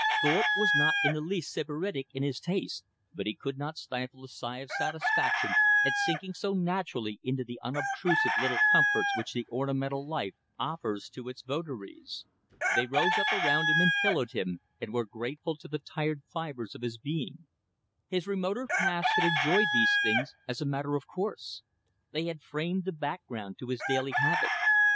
Thorpe was not in the least Sybaritic in his tastes, but he could not stifle a sigh of satisfaction at sinking so naturally into the unobtrusive little comforts which the ornamental life offers to its votaries. They rose up around him and pillowed him, and were grateful to the tired fibers of his being. His remoter past had enjoyed these things as a matter of course. They had framed the background to his daily habit.